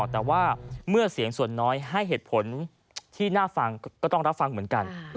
แต่ว่าเมื่อเสียงส่วนน้อยให้เหตุผลที่น่าฟังก็ต้องรับฟังเหมือนกัน